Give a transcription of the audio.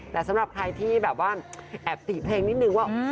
แต่สำหรับใครที่แบบว่าแอบติเพลงนิดนึงว่า